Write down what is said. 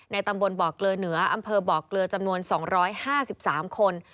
ตำบลบ่อเกลือเหนืออำเภอบ่อเกลือจำนวน๒๕๓คน